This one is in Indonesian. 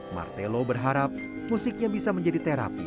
martelo berharap musiknya bisa menjadi terapi